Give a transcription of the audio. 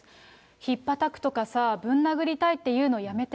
ひっぱたくとかさぁ、ぶん殴りたいっていうのやめて。